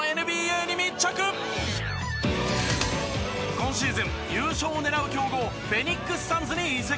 今シーズン優勝を狙う強豪フェニックス・サンズに移籍。